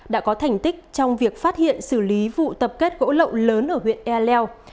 đã có thành tích trong việc phát hiện xử lý vụ tập kết gỗ lậu lớn ở huyện ea leo